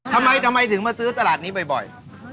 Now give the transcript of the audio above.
ทำไมถึงมาซื้อตลาดนี้บ่อย